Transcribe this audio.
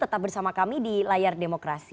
tetap bersama kami di layar demokrasi